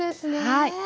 はい。